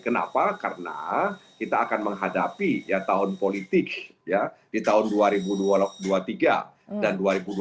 kenapa karena kita akan menghadapi tahun politik di tahun dua ribu dua puluh tiga dan dua ribu dua puluh empat